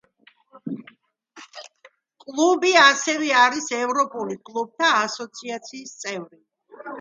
კლუბი ასევე არის ევროპული კლუბთა ასოციაციის წევრი.